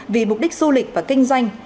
vì mục đích du lịch và kinh doanh